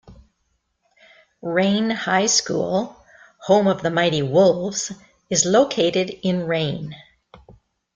Rayne High School, home of the Mighty Wolves, is located in Rayne.